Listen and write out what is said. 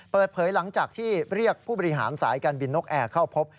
เปิดเผยหลังจากที่เรียกผู้บริหารสายการบินนกแอร์เข้าพบ